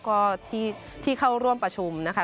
ก็ที่เข้าร่วมประชุมนะคะ